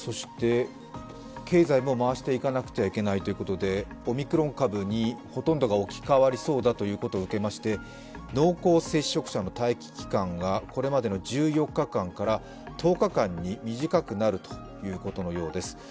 経済も回していかなくてはいけないということでオミクロン株にほとんどが置き換わりそうだということを受けまして濃厚接触者の待機期間がこれまでの１４日間から１０日間に短くなるということのようです。